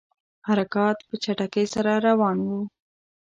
حرکات په چټکۍ سره روان وه.